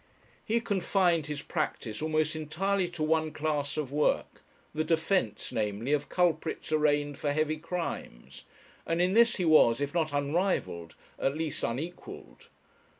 He confined his practice almost entirely to one class of work, the defence, namely, of culprits arraigned for heavy crimes, and in this he was, if not unrivalled, at least unequalled.